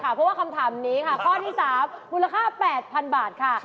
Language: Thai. เพราะว่าคำถามนี้ค่ะข้อที่๓มูลค่า๘๐๐๐บาทค่ะ